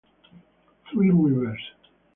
Three Rivers